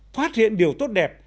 phát hiện điều tốt đẹp